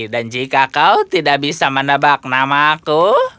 dan jika kau tidak bisa menebak namaku